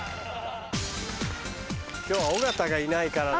今日は尾形がいないからね。